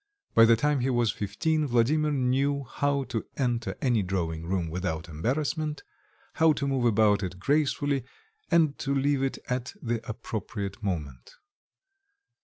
By the time he was fifteen, Vladimir knew how to enter any drawing room without embarrassment, how to move about in it gracefully and to leave it at the appropriate moment.